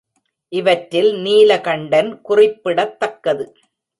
இவற்றில் நீலகண்டன் குறிப்பிடத்தக்கது.